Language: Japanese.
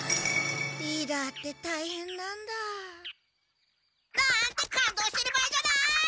リーダーってたいへんなんだ。なんて感動してる場合じゃない！